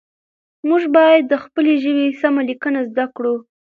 موږ باید د خپلې ژبې سمه لیکنه زده کړو